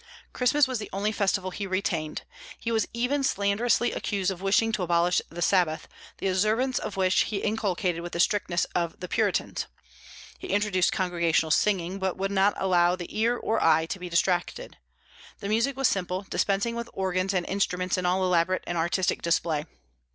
Christmas was the only festival he retained. He was even slanderously accused of wishing to abolish the Sabbath, the observance of which he inculcated with the strictness of the Puritans. He introduced congregational singing, but would not allow the ear or the eye to be distracted. The music was simple, dispensing with organs and instruments and all elaborate and artistic display.